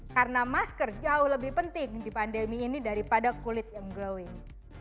karena masker jauh lebih penting di pandemi ini daripada kulit yang glowing